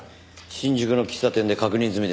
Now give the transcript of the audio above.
新宿の喫茶店で確認済みです。